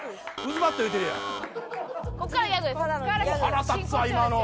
腹立つわ今の！